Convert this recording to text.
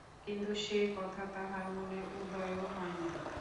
কিন্তু সে কথা তাহার মনে উদয়ও হয় নাই।